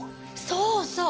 そうそう！